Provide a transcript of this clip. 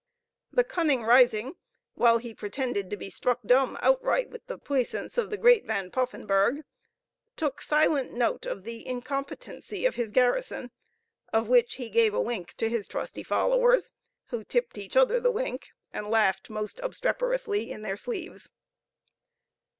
The cunning Risingh, while he pretended to be struck dumb outright with the puissance of the great Van Poffenburgh, took silent note of the incompetency of his garrison, of which he gave a wink to his trusty followers, who tipped each other the wink, and laughed most obstreperously in their sleeves.